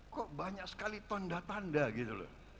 kok banyak sekali tanda tanda gitu loh